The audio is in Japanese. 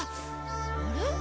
あれ？